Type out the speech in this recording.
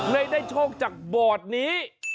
เลยได้โชคจากบอดนี้